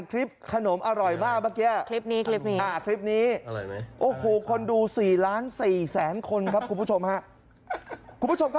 เกาหลีมีคำสัญญาไหม